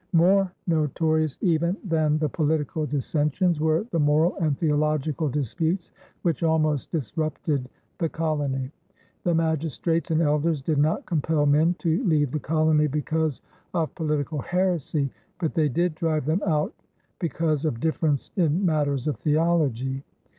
More notorious even than the political dissensions were the moral and theological disputes which almost disrupted the colony. The magistrates and elders did not compel men to leave the colony because of political heresy, but they did drive them out because of difference in matters of theology.